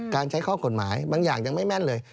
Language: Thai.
การใช้ข้อกฎหมายบางอย่างยังไม่แม่นเลย